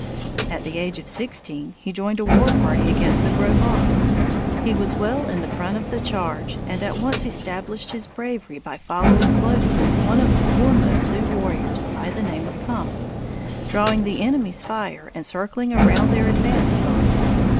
At the age of sixteen he joined a war party against the Gros Ventres. He was well in the front of the charge, and at once established his bravery by following closely one of the foremost Sioux warriors, by the name of Hump, drawing the enemy's fire and circling around their advance guard.